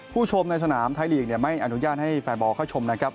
ชมในสนามไทยลีกไม่อนุญาตให้แฟนบอลเข้าชมนะครับ